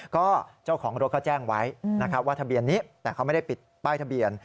ก็เจ้าของรถก็แจ้งไว้นะครับว่าทะเบียนนี้แต่เขาไม่ได้ปิดป้ายทะเบียน